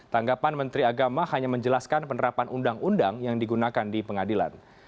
tanggapan menteri agama hanya menjelaskan penerapan undang undang yang digunakan di pengadilan